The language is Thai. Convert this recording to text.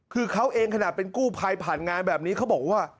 คือเขาเองขนาดเป็นกู้ภัยผ่านงานแบบนี้เขาบอกว่า